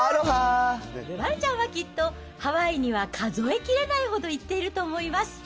丸ちゃんはきっとハワイには数えきれないほど行っていると思います。